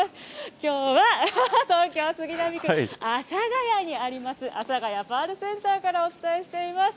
きょうは東京・杉並区阿佐ヶ谷にあります、阿佐谷パールセンターからお伝えしています。